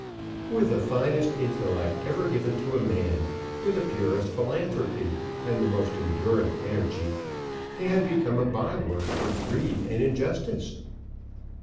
With the finest intellect ever given to a man, with the purest philanthropy and the most enduring energy, he had become a by word for greed and injustice.